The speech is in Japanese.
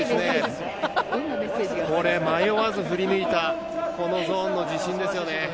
迷わず振り抜いたこのゾーンの自信ですよね。